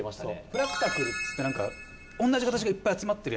フラクタルっつってなんか同じ形がいっぱい集まってるやつ。